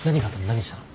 何したの？